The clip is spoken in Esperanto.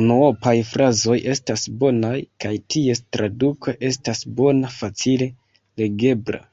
Unuopaj frazoj estas bonaj, kaj ties traduko estas bona, facile legebla.